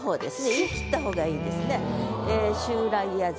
言い切ったほうがいいですね。